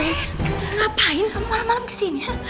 ngapain kamu malem malem kesini